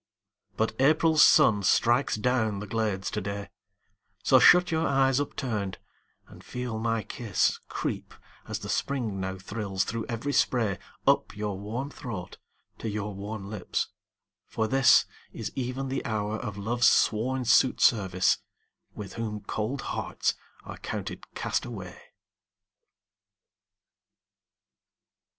But April's sun strikes down the glades to day; So shut your eyes upturned, and feel my kiss Creep, as the Spring now thrills through every spray, Up your warm throat to your warm lips: for this Is even the hour of Love's sworn suitservice, With whom cold hearts are counted castaway.